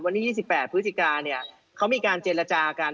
วันที่๒๘พฤศจิกาเนี่ยเขามีการเจรจากัน